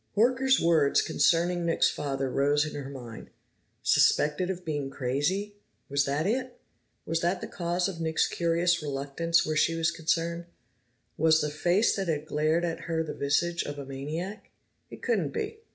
Horker's words concerning Nick's father rose in her mind. Suspected of being crazy! Was that it? Was that the cause of Nick's curious reluctance where she was concerned? Was the face that had glared at her the visage of a maniac? It couldn't be.